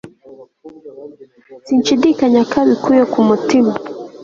Sinshidikanya ko abikuye ku mutima